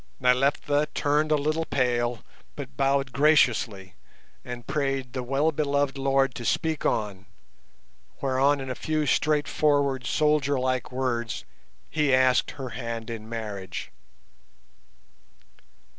Nyleptha turned a little pale, but bowed graciously, and prayed the "well beloved lord" to speak on, whereon in a few straightforward soldier like words he asked her hand in marriage.